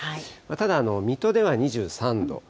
ただ水戸では２３度。